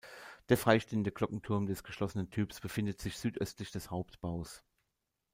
Der freistehende Glockenturm des geschlossenen Typs befindet sich südöstlich des Hauptbaus.